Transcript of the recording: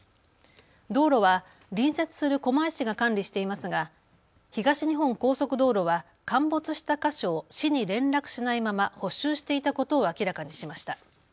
道路は隣接する狛江市が管理していますが東日本高速道路は陥没した箇所を市に連絡しないまま補修していたことを明らかにしました。